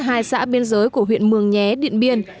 hai xã biên giới của huyện mường nhé điện biên